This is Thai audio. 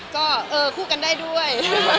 ก็คู่กันได้ด้วย